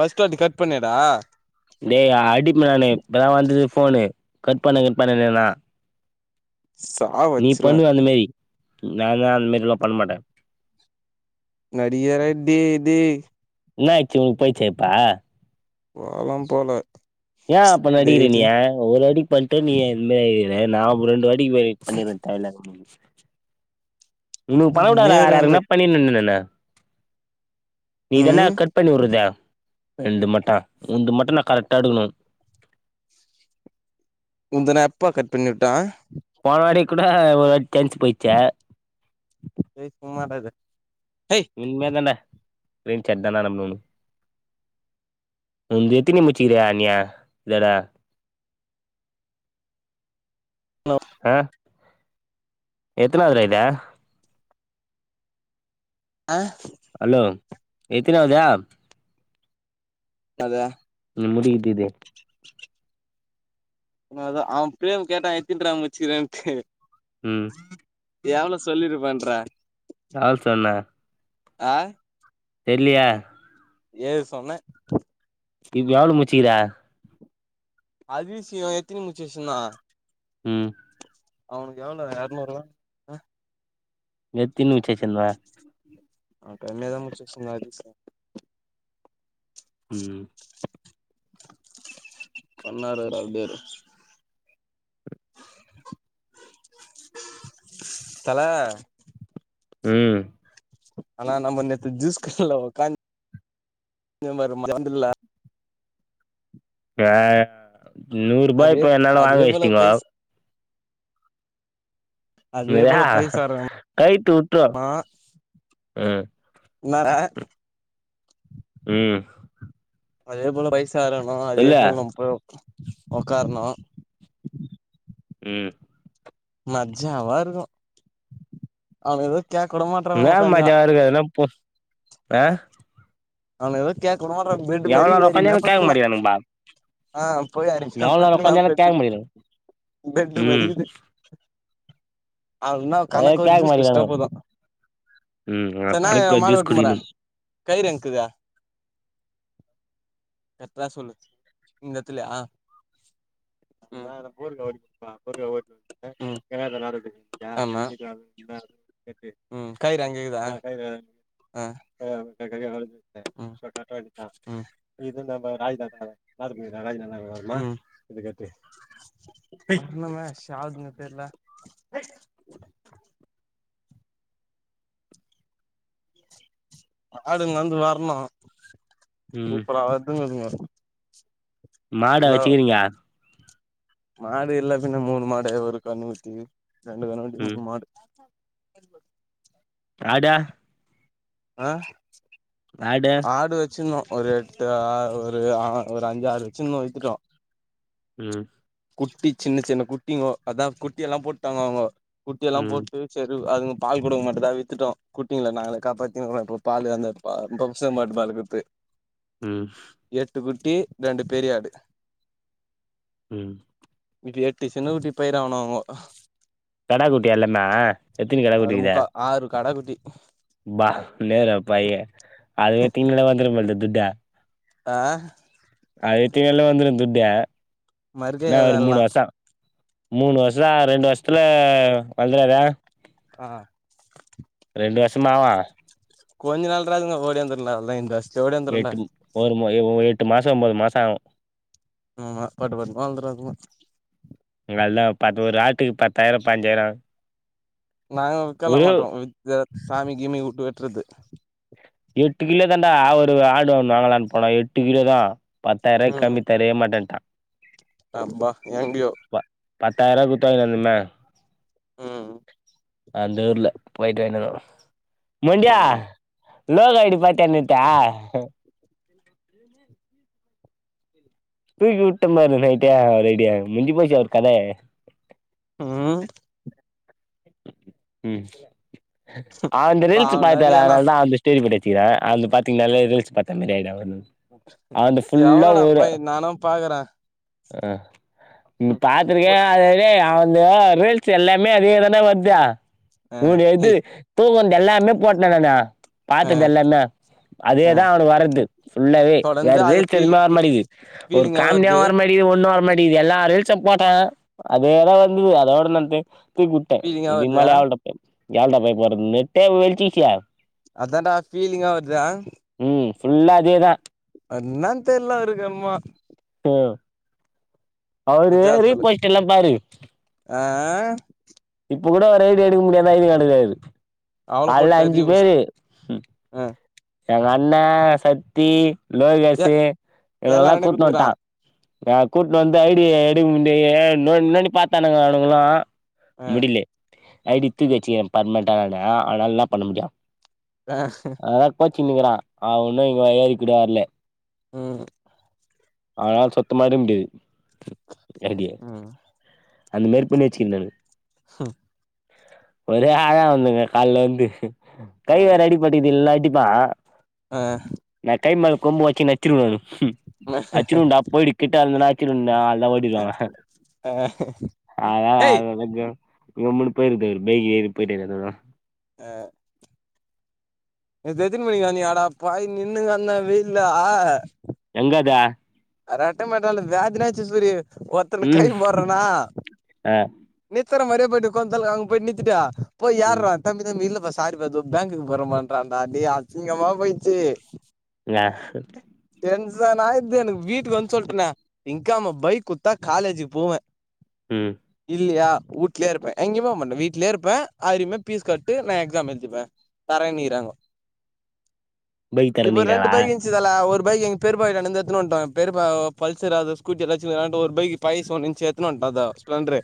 பஸ்டாபிகப் டே அடிப் நானு இப்பதா வந்துது ஃபோனு கட் பண்ணு கட் பண்ணுனேனா சாவ நீ வச்சிருவே பண்ணுவ அந் மேரி நாலா அந் மாரிலா பண் மாட்ட நடிகாரா டே டே என்ன ஆய்ச்சி உனுக் போய்ச்சா இப்ப போலம் போலே ஏ அப்ப நடிகிறே நீயி ஒராட்டி பண்ட்டு நீயே இந்மாரி ஆயிர்ற நா அப் ரெண்டு வாட் [unintelligible] உனுக் பண்ண கூடாடா நேரா இந்த வேறாருக்னா பண்ணிண்ணு நானு நீதான்டா ம் கட் பண்ணி வுட்றது எந்து மட்டா உந்து மட்டு நா கரெக்டா எடுக்குணு உந்து நா எப்ப கட் பண்ணி வுட்டே போனவாட்டி கூட ஒராட்டி சான்ஸு போயிச்சே ஏய் சும்மா இர்ரா இது ஏய் இனிமேன் தான்டா ப்ளைன் சட் தா நானு போட்ணு ம் எத்தினி முச்சிக்ற அங்க இதோட அம் ஆ எத்தனாவ்ரா இத ஆ ஹலோ எத்தனாவ்தா அது ம் முடிய்து இது அ அதா அவ் பேம் கேட்டா எத்தின்ரா முச்சிக்கிறேன்ட்டு ம் எவ்ளோ சொல்லிருப்பன்ற லால் சொன்னே ஆ தெர்லியே ஏழு சொன்ன இப்ப எவ்ளோ முச்சுக்கிற ஹரிஸ் இவ எத்தனி முடிச்சி வெச்சிருந்தா ம் அவனுக்கு எவ்ளோ எரநூறூவா ஆ எத்தின் முச்சி வெச்சிருந்த நா கம்மியாதா முடிச்சு வெச்சிருந்த ஹரிஸு ம் பன்னாறு ஒரு அப்டேடு தல ம் ஆனா நம்ம நேத்து ஜூஸ் [unintelligible] ல்ல உக்காந்து செஞ்சம்பாரு [unintelligible] ஆ நூறுபாய் அதே இப்ப என்னாண்ட வாங்க அதே போல வச்ட்டீங்கோ பைஸ் அதே வியே போல பைசாரனா கயித்த உட்டுரு ம் என்னடா ம் அதே போல பைஸ் ஸ இருக்கணு அதே சொல்லு போல் நம்ம போய் உக்காரணு ம் மஜ்ஜாவா இருக்கு அவ எதோ கேக்கவுட மாட்டறோனோ என்னா உக்காஞ்சா மஜாவா இருக்கு அதெல்லா போ ஆ அவன எதுவு கேக்கவுட மாட்றாங்க பெட்டு எவ்ளோ மாரி இது நேரோ அருமையா ஒக்காந்தாலு கேக்க பத்துக்கலா மாட்டிக்கிறானுங்கப்பா ஆ போயி அருமையா எவ்ளோ நேரோ பத்துக்கலா ஒக்காந்தாலு பெட்டு கேக்க மாட்டிக்கிறானுங்க பெட்டு ம் மாரிக்குது அது இன்னா அதே கணக்க ஒரு கேக்க ஜூஸ் குச்சிட்டா மாட்டிக்கிறானுங்க போது ம் ச நா கடைக்கு எ போய் மாடு ஜூஸ் ஓட்ன்னு போற குடிக்கணு கயிறு எங்கிக்குது கரெட்டா சொல்லு இந்தெடத்துலயா ம் ம் ஆமா ம் கயிறு அங்க இக்குதா ஆ ம் ம் இது நம் நாயி தான [unintelligible] இதக் கட்டு ஒன்னுமே [unintelligible] தெரில மாடு நவுந்து வர்ணு ம் சூப்பரா வர்துங்க அதுங்க மாடா வெச்சுக்கிறீங்க மாடு இல்ல பின்ன மூணு மாடு ஒரு கன்னுக்குட்டி ரெண்டு கன்னுக்குட்டி ம் மூணு மாடு [unintelligible] ப்ராடா ஆ ஆடா வெச்சிர்ந்தோ ஒரு எட்டு ஆ ஒரு ஆ ஒரு அஞ்சாறு வெச்சிர்ந்தோ வித்துட்டோ ம் குட்டி சின்ன சின்ன குட்டிங்கோ அதா குட்டி எல்லா போட்டாங்கோ அவுங்கோ குட்டி எல்லா ம் போட்டு செரி அதுங்க பால் குடுங்க மாட்டுதா வி்த்துட்டோ குட்டிங்கள நாங்களே காப்பாத்தினோ இப்ப பால் அந்த ப பப்ஸ மாட்டுப்பாலு குட்த்து ம் குட்டி ரெண்டு பெரிய ஆடு ம் மீதி எட்டு சின்னக்குட்டி போயிருவானுவோ அவுங்கோ கடாக்குட்டி எல்லாமே எத்தினி கடாக்குட்டி அதுல இக்குது முக்கா ஆறு கடாக்குட்டி பா நேருபைய அத வித்தீங்கனாலே வந்துன்போல துட்டே ஆ அத வித்தீங்கனாலே வந்துரு துட்டே மருகயா தா எல்லா மூணு வருஷ ரெண்டு வருஷத்துல வந்துறாத ஆ ரெண்டு வஷம் மாவ கொஞ்சோ நாள் ராதுங்க ஓடி வந்தனால தா இந்தாஸ் எட்டும் ஒரு எட்டு மாசோ ஒம்போது மாச ஆவ் ஆமா பாட்டுபாடுமா [unintelligible] அதுதா பத்து ஒரு ஆட்டுக்கு பத்தாயிரோ பஞ்சாயிரோ நாங்க வி்க்கல மாட்டோ வி சாமி கீமி வுட்டு வெட்றது எட்டு கிலோ தாண்டா ஒரு ஆடு ஒன்னு வாங்களலான்னு போனோ எட்டு கிலோ தா பத்தாயிர ரூாய்க கம்மி தரவே மாட்டன்ட்டா அம்பா ஏங்யோ பத்தாயிரரூவா குடுத்வாங் தெம ம் அந்தூருல போய்ட்டு வங்கிவருவ மொண்டியா ஆ லோகாடி போயிட்டு வந்துத்தா தூக்கி வுட்டம் பாரு நைட்டா அவ ரெடியா முஞ்சு போச்சு அவர் கதை ம் ம் அவந்த ரீல்ஸ் பாவண்டா பத்தன டேய் அண்ணா அதனால தா அவந்த ஸ்டோரி போட்ச்ச த அந்த பாத்தீங்கன்னால ரீலீஸ் பாத்த மாரி ஆயிடு ஒன் அவ்ந்த ஃபுல்லா எவ்ளோடா ஒரு பை நானு பாக்குற ஆ பாத்திருக்கே போய் அத அவந்த ரீல்ஸ் எல்லாமே அதேத என்னவர்த ஆ வூட எது ஹெய் தூங்கது எல்லாமே போட்னே நா ஆ பாத்தது எல்லாமே ஆ அதேதா அவனு வர்து ஃபுல்லவே வேற தொடர்ந்து அது ரீலீஸ் ஃபீல் எதுவுமே வர ஃபீ மாட்டியுது ஒரு ஃபீலிங்கா காமிடியா வருது வர மாடியு ஒண்ணு வர மாட்டிது எல்லா ரீலிஸு போட்ட அதேதா வந்தது அதோட நா தூக்கி ஃபீலிங்கா வருது இதுமேல யார்கிட்ட யார்கிட்ட போய் போட்றதுனே நெட்டே வெயிச்சி அதாண்டா ஃபீலிங்கா வருதா ம் ஃபுல்லா அதேதான் அதென்னானு தெரில அவருக்கு என்மோ ஆ அவரு ரிஜால் சொல்லு ரீபோஸ்ட் எல்லா பாரு ஆ இப்ப கூட அவ்ரு ஐ டி எடுக்க முடியா ஐ டி கார்டு கெடாது அவள காலைல போட்டு அஞ்சு அறி ஃபஸ்ட் பேரு ஆ எங்க அண்ணே சத்தி எ லோகேசு எல்லா இவனங்கெல்லா ரெண்டையு கூட்டு குடுத்துக்கிறா வன்ட்டா நா கூட்னு வந்து ஐ டி எடுக்க முடிய நோன் நோண்டி பாத்தானுக அவனுகளு ஆ முடிலே ஐ டி தூக்கி வச்சிக்கிறே பர்மனென்ட்ட னானு அவ்னால என்னா பண்ண முடியு ஆ சின்னனுங்கிறா அவ ஒன்னு இங்க [unintelligible] கூட வர்ல ம் அவ்னால சுத்தமா எடுக்க முடியாது ஐடிய ம் அந்த மாரி பண்ணி வச்சிக்கினானு ம்கூ ஒரே ஆளா வந்தங்க கால்ல இந்து ஆ கை வேற அடிப்பட்டிக்குது இல்னா அடிப்ப ஆ நா கை மேல கொம்பு வெச்சினு நச் ச்சிடுவே நானு அச்சிடுவண்டா போயிடு கிட்ட வந்தா அடிச்சிடுவன்டா எல்லா ஓடிவாங்க ஆ ஏய் அத [unintelligible] கம்முனு போயிருத பைக் ஏறி போயிட்டே அதோடு ஆ நேத்து எத்தனமணிக்கு டா வந்திங்க அட பாவி நின்னுங்கன்னா வெயில்லா எங்கதா அரட்ட மாட்டேன்டா வேதன ஆயிடுச்சு சூரி ஒருத்தனுக்கு கை ம் போறனா ஆ நித் நிறுத்தற மாரி போயிட்டு உக்காந்துள் அங்க போய் நித்திட்டு போய் ம் ஏருற தம்பி தம்பி இல்ல பாஸ் சாரி ப்ரோ தோ பேங்குக்கு போறமாட்றான்டா டேய் அசிங்கமா போயிச்சி யாக்ஹூ அதா நா எத்தன வீட்ல வந்து சொல்லிட்டன்னே திங்காம பைக் குத்தா காலேஜுக் போவே ம் இல்லியா வூட்லயே இருப்ப எங்கயு போக மாட்ட வீட்லயே இருப்பே ஆயிரமா ஃபீஸ் கட்டு நான் எக்ஸாம் எழுதிப்ப தரேனிறாங்கோ பைக் இப்ப ரெண்டு தரேன்னிக்கிறாளா பைக் இருந்துச்சு தல ஒரு பைக் எங்க பெரியப்பா கிட்டேந்து எடுத்துட்டு வந்துட்டோ இப் பெரிப்பா பல்சர் அது ஸ்கூட்டி எல்லா வச்சிருங்கிட்டு ஒரு பைக் பயசு ஒன்னு இருந்துச்சு எடுத்துட்டு வந்துட்டோ அத ஸ்ப்ளெண்டர்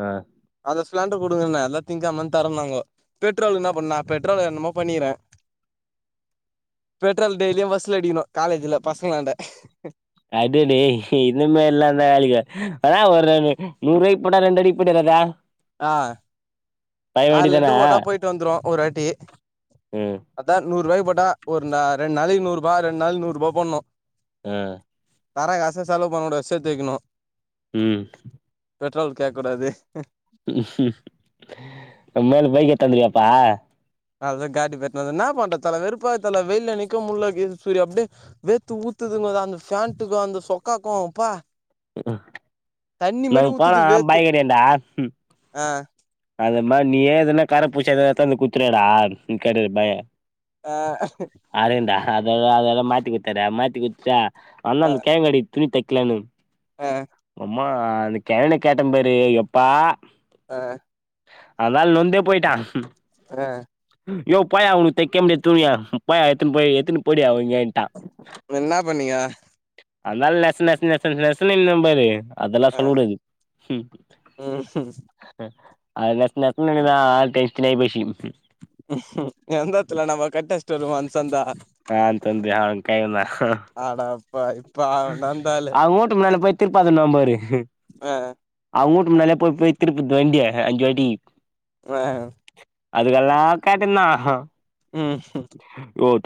அ ஸ்ப்ளெண்டர் குடுங்கன்ன இல்ல திங்காமன் தரேன்னாங்கோ பெட்ரோலுக்கு என்ன பண்ணுவ பெட்ரோலுக்கு என்னமோ பண்ணிக்கிற பெட்ரோல் டெய்லியும் வசூல் அடிக்கணு காலேஜ்ல பசங்கலாண்ட அடு டேய் இந்தமாரில்லா இருந்தா வேலைக்காகா ஆனா ஒரு நூறுவாய்க்கு போட்டா ரெண்டு அடி போயிட் வராதா ஆ பய ஆறு வேண்டிதானா லிட்டர் போட்டா போயிட்டு வந்துரு ஒருவாட்டி ம் அதா நூரூவா போட்டா ஒரு ரெண்டு நாளைக்கு நூறு ரூபா ரெண்டு நாளைக்கு நூறு ரூவா போடணு அ தர்ர காச செலவு பண்ணக்கூடாது சேத்து வைக்கணு ம் பெட்ரோலுக்கு கேக்கூடாது நம்ம மேல பைக்க எடுத்தாந்திருவியாப்பா அது காடி பெட்ணுவ என்ன பண்றது தல வெறுப்பாவுது தல வெயில்ல நிக்க முடியல கிர் சூரி அப்படியே வேத்து ஊத்து துங்க அந்த ஃபேன்டுக்கு அந்த சொக்காக்கு அப்பா ம்ஹும் தண்ணி மாரி நாங்க போனா ஊற்றுது வேர்த்து பாய்கடயாண்ட ஆ அந்த மாரி நீயே எதுன்னா கார பூசிய எதாது எடுத்து வந்து குடுத்துடு டா நீ கேடி பாய் ஆ அததா அததா மாத்தி குடுத்தார மாத்தி குடுத்துட்டா வந்தா ஆ அந்த கேங்கடி துணி தைக்கலன்னு ஆ ம்மா அந்த கேரன கேட்டே பாரு எப்பா ஆ அதா நொந்தே போயிட்டா ஆ யோவ் போயா உனக்கு தைக்க முடியா துணிய போயா எத்துனு போய் எத்துனு போயிடுயா ஒயுங்கான்டா என்ன பண்ணீங்க அந்தாலு நெச நெச நெச நெசன்னு நின்னுபாரு அதெல்லா ஆ சொல்ல கூடாது ம் அது நெசன நெசனன்னு இருந்ததா ஆள் டென்ஷன் ஆயிப்போச்சு ம் எந்த எத்துல நம்ம கட்டஷ்டு வருமே அந்த சந்தா அ அந்த சந்து அ கேக்கல அடப்பா இப்ப அவன் அந்த ஆளு அவ ஊட்டு மேல போய் திருப்ப அந்தனம்பாரு ஆ அவங்கூட்டு முன்னால போய் போய் திருப்பிட் வண்டிய அ அஞ்சு வாட்டி அ அதுகெல்லா கேட்டனா ம்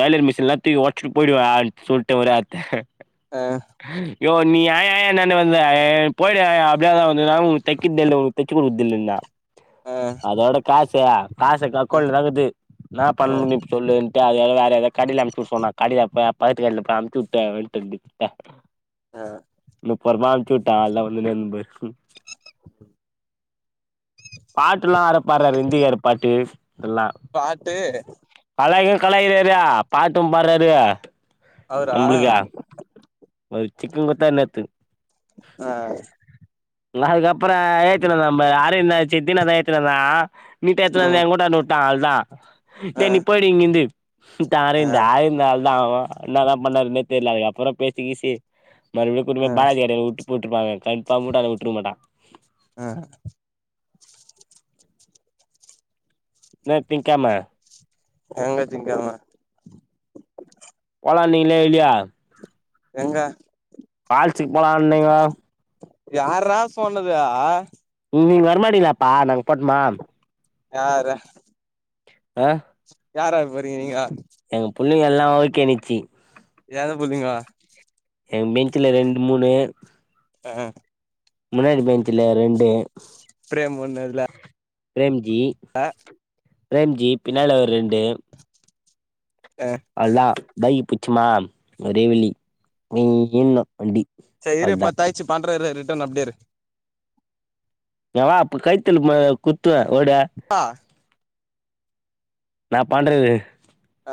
டைலர் மிஷின்லா தூக்கி ஒச்சிட்டு போயிடுவே அன் சொல்டே ஒரு அத் அ யோ நீ ஏய்யா என்னாண்ட வந்த ஏ போய்டு அப்படியாதா வந்தன்னா உங்களுக்கு தைக்கதேல்ல உனக் தச்சு குடுக்குதில்லனா ஆ அதோட காச காச க அக்கவுண்ட்லதா இக்குது என்னா ஆ ஆ பண்ணனு இப்போ சொல்லுன்ட் அது எதோ வேற ஏதது கடில அனுச்சு விடு சொன்னா கடியில ப பகத்து கடில அனுச்ச வுட்டு ட்ட அ பொரம ஆனும்ச்சு உட்டா எல்லா வந்துனே ந்து பாட்டுலா வேறப்பார்றாரு இந்திகார பாட்டு இதெல்லா பாட்டு கலாய்கிறாரா பாட்டும் பார்றாரு அவுரா ஒரு சிக்குன் குத்தா நேத்து ஆ எல்லா அதுக்கப்ரோ ஏத்தினு தா ந அரந்தா சத்தினாதா ஏத்தினு வந்தா நீட்டா எத்தனுந்துஏ ம் கூட்டன்ட விட்டா அவள்தா ஆ நீ போய்டு இங்கிந்து த ஆ அரவிந்த் ஆய்ந்தாளுதா அவோ என்னாதா பண்ணருதுனே தெரில அதுக்கப்ரோ பேசி கீசி மருபடி கூப்டு ஆ போய் பாலாஜி கடைல விட்டு விட்டுருப்பாங்க கன்பாரம் விட்டாண்ட விட்டுருக்க மாட்டா ஆ நாம்பிக்கமா எங்க சிங்கமா போலா நீளே இல்லியா எங்கா கால்ச்சிக் போலன்னீங்கோ யார்ரா சொன்னது அ இங்க நீங்க வரமாடிங்லா அப்ப நாங் போட்டுமா யார்ர ஆ யார்ரா போரீங்க நீங்க பிள்ள எல்லா ஓகேணிச்சி ஏது புல்லிங்கோ எ பெஞ்சுல ரெண்டு மூணு ஆ முன்னாடி பெஞ்ச்ல ரெண்டு பிரேம் போன்னு அதுல பிரேம்ஜி பிரேம்ஜி பின்னால ஒரு ரெண்டு ஆ அல்தா பேகி புச்சுமா ஒரேவலி நீ ண் வண்டி சரி அவ்ளதா பத்தாய்ச்சு பண்ற இரு ரிட்டரன் அப்டியேரு ந வா ஆப் கய்த்ல குத்துவ ஓடு ஆ நா பண்றெது ஆ